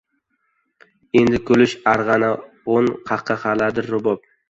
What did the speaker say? Endi kulish — arg‘anun, qahqahalardir rubob